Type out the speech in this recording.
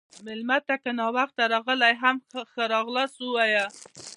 مېلمه ته که ناوخته راغلی، هم ښه راغلاست ووایه.